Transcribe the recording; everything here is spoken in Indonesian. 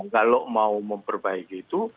kalau mau memperbaiki itu